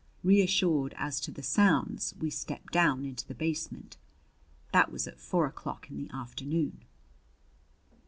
Reassured as to the sounds, we stepped down into the basement. That was at four o'clock in the afternoon.